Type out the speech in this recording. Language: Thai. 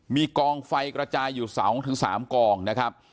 มีกองไฟกระจายอยู่สาวของถึง๓กองนะครับ